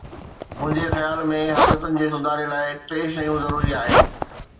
منهنجي خيال ۾ حالتن جي سڌاري لاءِ ٽي شيون ضروري آهن.